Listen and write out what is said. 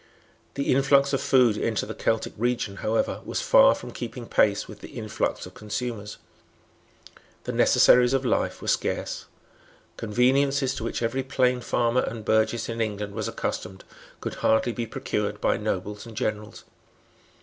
The influx of food into the Celtic region, however, was far from keeping pace with the influx of consumers. The necessaries of life were scarce. Conveniences to which every plain farmer and burgess in England was accustomed could hardly be procured by nobles and generals.